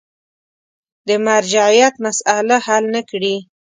د مرجعیت مسأله حل نه کړي.